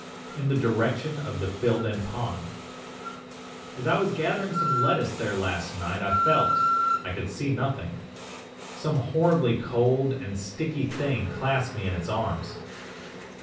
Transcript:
in the direction of the filled in pond. 'As I was gathering some lettuce there last night I felt (I could see nothing) some horribly cold and sticky thing clasp me in its arms.